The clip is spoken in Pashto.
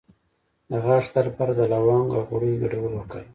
د غاښ د درد لپاره د لونګ او غوړیو ګډول وکاروئ